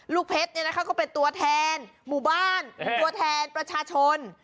ลูกเพชรก็เป็นตัวแทนหมู่บ้านตัวแทนประชาชน